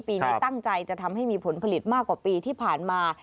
ปีนี้ตั้งใจจะทำให้มีผลผลิตมากกว่าปีที่ผ่านมา